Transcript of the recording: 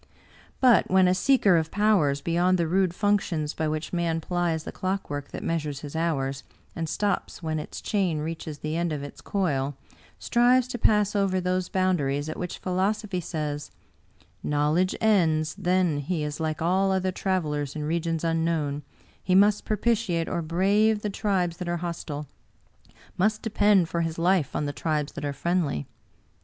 But when a seeker of powers beyond the rude functions by which man plies the clockwork that measures his hours, and stops when its chain reaches the end of its coil, strives to pass over those boundaries at which philosophy says, * Knowledge ends — then, he is like all other travelers in regions unknown; he must propitiate or brave the tribes that are hostile — must depend for his life on the tribes that are friendly.